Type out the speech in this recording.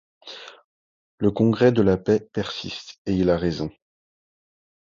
Le Congrès de la paix persiste, et il a raison.